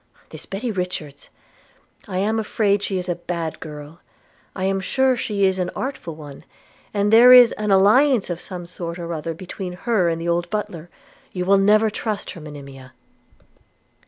This Betty Richards – I am afraid she is a bad girl; I am sure she is an artful one; and there is an alliance of some sort or other between her and the old butler: you will never trust her, Monimia.'